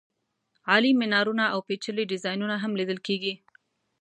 عالي مېنارونه او پېچلي ډیزاینونه هم لیدل کېږي.